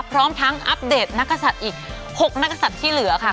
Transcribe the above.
พร้อมทั้งอัปเดตนักกษัตริย์อีก๖นักศัตริย์ที่เหลือค่ะ